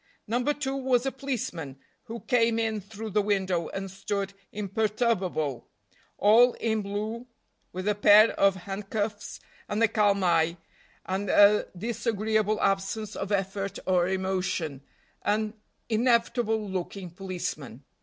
No. 2 was a policeman, who came in through the window, and stood imperturbable, all in blue, with a pair of handcuffs, and a calm eye, and a disagreeable absence of effort or emotion an inevitable looking policeman.